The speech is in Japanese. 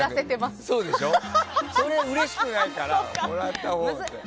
そうでしょ、うれしくないから。